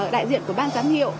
đại diện của ban giám hiệu